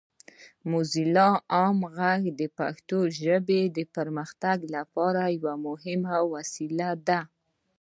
موزیلا عام غږ د پښتو ژبې د پرمختګ لپاره یوه مهمه وسیله ده.